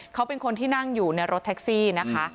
เขาเป็นคนที่นั่งอยู่ในรถแท็กซี่นะคะ